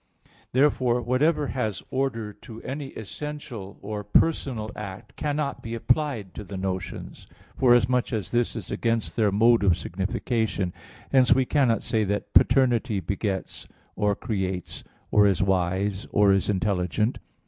1). Therefore whatever has order to any essential or personal act, cannot be applied to the notions; forasmuch as this is against their mode of signification. Hence we cannot say that paternity begets, or creates, or is wise, or is intelligent.